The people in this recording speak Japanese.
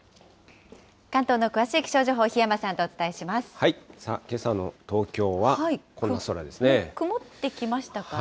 関東の詳しい気象情報、さあ、けさの東京はこの空で曇ってきましたかね？